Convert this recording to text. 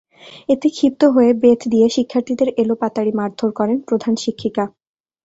এতে ক্ষিপ্ত হয়ে বেত দিয়ে শিক্ষার্থীদের এলোপাতাড়ি মারধর করেন প্রধান শিক্ষিকা।